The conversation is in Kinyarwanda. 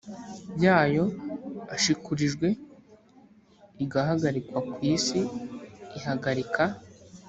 yayo ashikurijwe igahagarikwa ku isi ihagarika